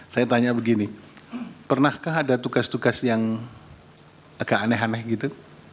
saya tanya begini pernahkah ada tugas tugas yang agak aneh aneh gitu